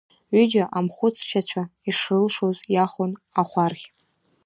Ҩыџьа амхәыцчацәа ишрылшоз иахон ахәархь.